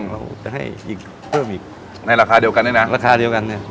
เราจะให้อีกเพิ่มอีกในราคาเดียวกันด้วยนะราคาเดียวกันเนี่ย